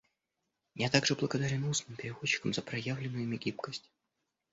Я также благодарен устным переводчикам за проявленную ими гибкость.